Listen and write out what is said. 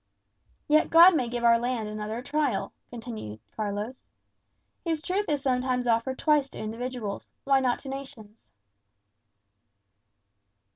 "Yet God may give our land another trial," Carlos continued. "His truth is sometimes offered twice to individuals, why not to nations?"